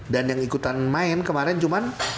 dan yang ikutan main kemarin cuman